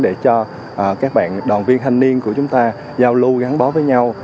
để cho các bạn đoàn viên thanh niên của chúng ta giao lưu gắn bó với nhau